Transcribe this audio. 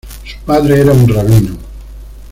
Su padre era un rabino.